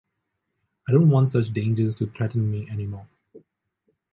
I don’t want such dangers to threaten me anymore.